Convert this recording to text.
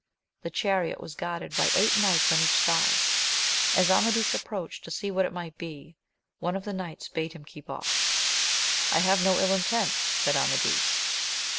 The chariot was guarded by eight knights on each side. As Amadis approached to see what it might be, one of the knights bade him keep off. I have no ill intent, said Amadis.